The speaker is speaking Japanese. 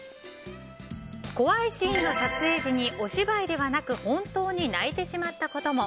怖いシーンの撮影時にお芝居ではなく本当に泣いてしまったことも。